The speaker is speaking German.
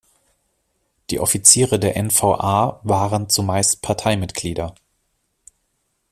Die Offiziere der N-V-A waren zumeist Parteimitglieder.